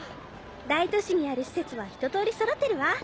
大都市にある施設はひと通りそろってるわ。